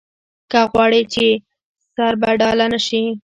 که غواړې چې سربډاله نه شې.